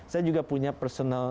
saya juga punya personal